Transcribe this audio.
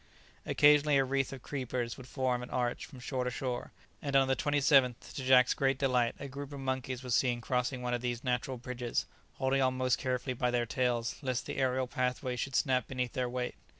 ] Occasionally a wreath of creepers would form an arch from shore to shore, and on the 27th, to Jack's great delight, a group of monkeys was seen crossing one of these natural bridges, holding on most carefully by their tails, lest the aerial pathway should snap beneath their weight.